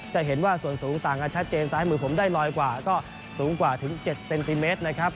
จะเห็นว่าส่วนสูงต่างกันชัดเจนซ้ายมือผมได้ลอยกว่าก็สูงกว่าถึง๗เซนติเมตรนะครับ